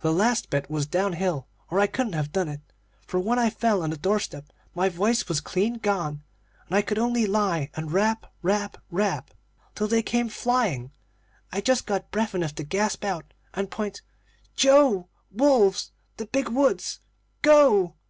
The last bit was down hill, or I couldn't have done it; for when I fell on the doorstep my voice was clean gone, and I could only lie and rap, rap, rap! till they came flying. I just got breath enough to gasp out and point: "'Joe wolves the big woods go!'